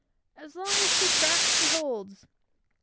as long as she cracks she holds!"